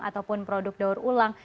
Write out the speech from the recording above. ataupun produk daur ulang